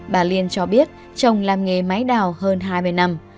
bà liên cho biết chồng làm nghề máy đào hơn hai mươi năm